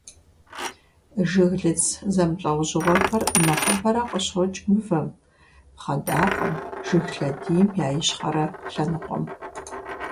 Жыглыц зэмылӀэужьыгъуэхэр нэхъыбэрэ къыщокӀ мывэм, пхъэдакъэм, жыг лъэдийм я ищхъэрэ лъэныкъуэм.